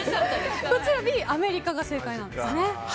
Ｂ、アメリカが正解なんですね。